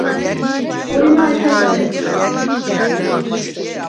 ხორიმა̄ ეჩას ხეხვ?